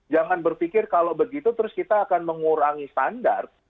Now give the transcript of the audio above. jangan berpikir kalau begitu terus kita akan mengurangi standar